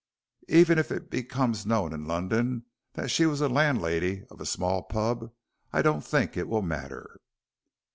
Even if it becomes known in London that she was the landlady of a small pub, I don't think it will matter."